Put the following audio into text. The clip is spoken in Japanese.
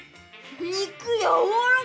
肉やわらか！